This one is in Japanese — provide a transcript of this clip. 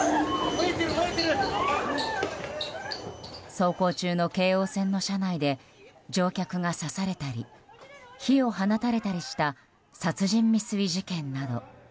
走行中の京王線の車内で乗客が刺されたり火を放たれたりした殺人未遂事件など。